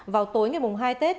vào tối ngày hai tết